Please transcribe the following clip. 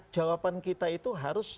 jawaban kita itu harus